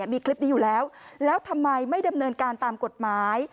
มีคลิปนี้อยู่แล้วแล้วทำไมไม่ดำเนินการตามกฎหมาย